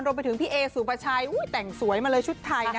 รวมไปถึงพี่เอสุปชัยแต่งสวยมาเลยชุดไทยนะ